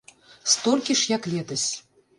Столькі ж як летась.